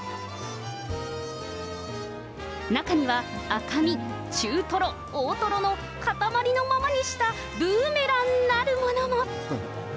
中には赤身、中トロ、大トロの塊のままにしたブーメランなるものも。